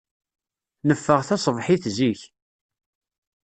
Neffeɣ taṣebḥit zik.